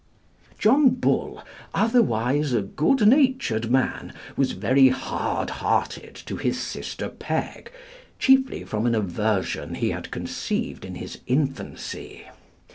John Bull, otherwise a good natured man, was very hard hearted to his sister Peg, chiefly from an aversion he had conceived in his infancy.